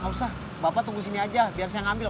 gak usah bapak tunggu sini aja biar saya ngambil